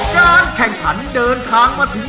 การแข่งขันเดินทางมาถึง